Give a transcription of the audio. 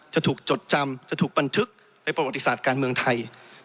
จะถูกจดจำจะถูกบันทึกในประวัติศาสตร์การเมืองไทย